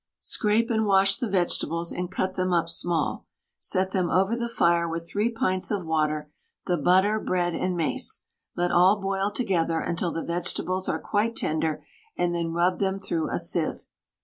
Scrape and wash the vegetables, and cut them up small; set them over the fire with 3 pints of water, the butter, bread, and mace. Let all boil together, until the vegetables are quite tender, and then rub them through a sieve.